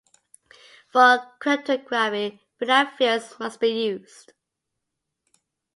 For cryptography, finite fields must be used.